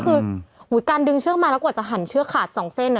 คือการดึงเชือกมาแล้วกว่าจะหันเชือกขาดสองเส้น